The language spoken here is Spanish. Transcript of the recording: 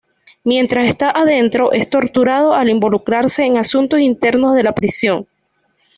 Mientras está adentro, es torturado al involucrarse en asuntos internos de la prisión.